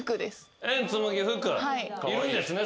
いるんですね